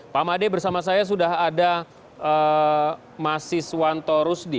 pak made bersama saya sudah ada masiswanto rusdi